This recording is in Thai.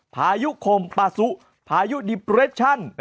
พายุคมปาซุพายุดิเปรชั่น